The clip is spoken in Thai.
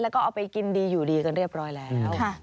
แล้วก็เอาไปกินดีอยู่ดีกันเรียบร้อยแล้ว